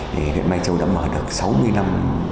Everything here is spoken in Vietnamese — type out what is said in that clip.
viện mai châu đã mở được sáu mươi năm